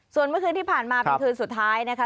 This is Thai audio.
ส่วนเมื่อคืนที่ผ่านมาเป็นคืนสุดท้ายนะคะ